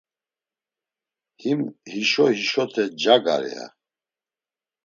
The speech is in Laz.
Him hişo hişote cagar, ya.